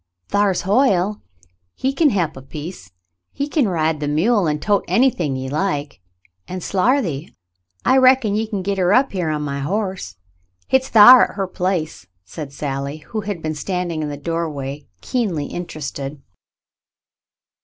"Thar's Hoyle; he kin he'p a heap. He kin ride the mule an' tote anything ye like ; and Slarthy, I reckon ye kin git her up here on my horse — hit's thar at her place," said Sally, who had been standing in the doorway, keenly interested.